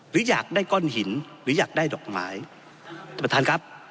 หรืออยากได้ก้อนหินหรืออยากได้ดอกไม้ท่านประธานครับ